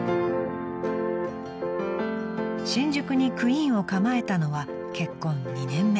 ［新宿にクインを構えたのは結婚２年目］